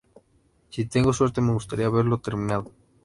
Si tengo suerte me gustaría verlo terminado.